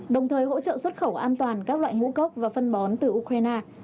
đồng thời hỗ trợ xuất khẩu an toàn các loại ngũ cốc và phân bón từ ukraine